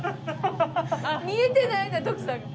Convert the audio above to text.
見えてないんだ徳さん。